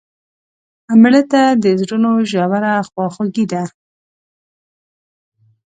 مړه ته د زړونو ژوره خواخوږي ده